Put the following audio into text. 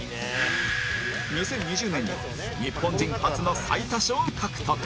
２０２０年には日本人初の最多勝を獲得